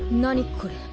これ。